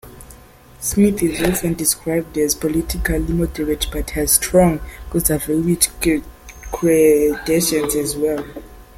Smith is often described as politically moderate, but has strong conservative credentials as well.